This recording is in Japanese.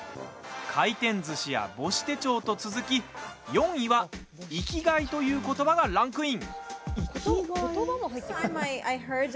回転ずしや母子手帳と続き４位は、生きがいという言葉がランクイン。